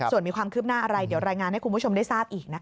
ส่วนมีความคืบหน้าอะไรเดี๋ยวรายงานให้คุณผู้ชมได้ทราบอีกนะคะ